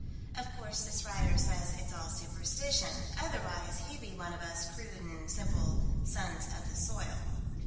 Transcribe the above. Of course this writer says it's all superstition. Otherwise he'd be one of us crude and simple sons of the soil.